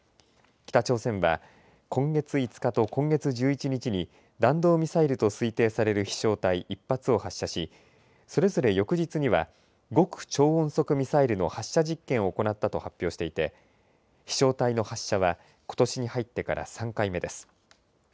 北朝鮮は、今月５日と今月１１日に、弾道ミサイルと推定される飛しょう体１発を発射し、それぞれ翌日には、極超音速ミサイルの発射実験を行ったと発表していて、飛しょう体の発射は、ことしに入ってから３回目です。